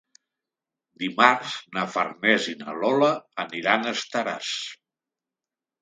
Dimarts na Farners i na Lola aniran a Estaràs.